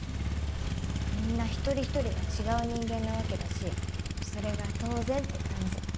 みんな一人一人が違う人間なわけだしそれが当然って感じ。